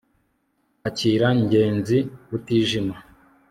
akira ngenzi itijima